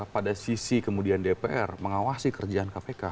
pada sisi kemudian dpr mengawasi kerjaan kpk